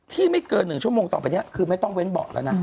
ไม่เกิน๑ชั่วโมงต่อไปนี้คือไม่ต้องเว้นเบาะแล้วนะ